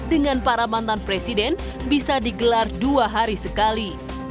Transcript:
dengan para mantan presiden bisa digelar dua hari sekali